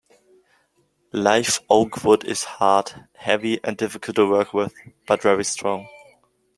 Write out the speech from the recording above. Live oak wood is hard, heavy, and difficult to work with, but very strong.